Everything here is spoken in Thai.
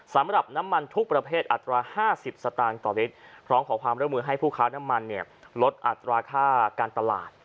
สำหรับน้ำมันทุกประเภทอัตรา๕๐สตางค์ต่อลิตรพร้อมขอความร่วมมือให้ผู้ค้าน้ำมันลดอัตราค่าการตลาด